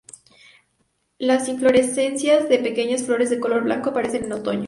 Las inflorescencias de pequeñas flores de color blanco aparecen en otoño.